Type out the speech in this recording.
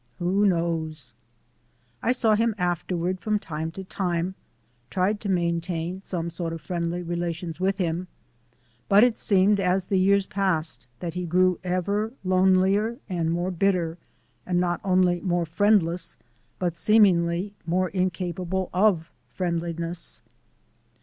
Who knows? I saw him afterward from time to time, tried to maintain some sort of friendly relations with him; but it seemed as the years passed that he grew ever lonelier and more bitter, and not only more friendless, but seemingly more incapable of friendliness.